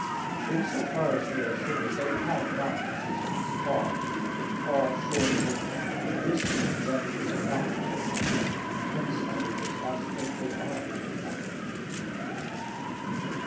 In so far as they are sinners, they have not existence at all, but fall short of it; and this in them is not from God. Hence under this aspect, they are hated by Him.